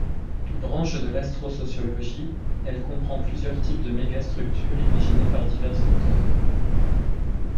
Branche de l'astrosociologie, elle comprend plusieurs types de mégastructures imaginées par divers auteurs.